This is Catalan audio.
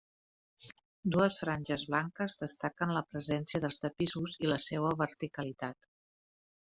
Dues franges blanques destaquen la presència dels tapissos i la seua verticalitat.